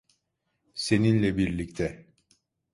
Seninle birlikte.